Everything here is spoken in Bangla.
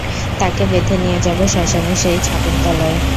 তাকে বেঁধে নিয়ে যাবে শ্মশানের সেই ছাতিমতলায়।